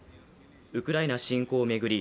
ウクライナ侵攻を巡り